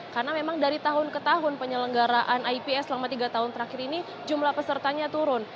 karena memang dari tahun ke tahun penyelenggaraan ips selama tiga tahun terakhir ini jumlah pesertanya turun